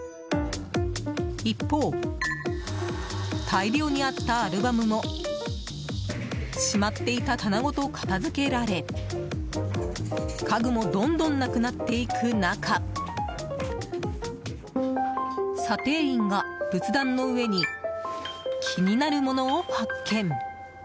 一方、大量にあったアルバムも閉まっていた棚ごと片付けられ家具もどんどんなくなっていく中査定員が仏壇の上に気になるものを発見。